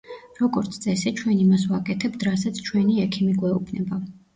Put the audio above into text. როგორც წესი, ჩვენ იმას ვაკეთებთ რასაც ჩვენი ექიმი გვეუბნება.